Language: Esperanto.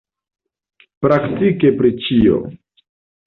Praktike pri ĉio.